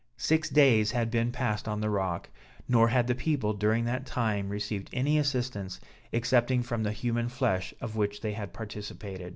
Six days had been passed on the rock, nor had the people, during that time, received any assistance, excepting from the human flesh of which they had participated.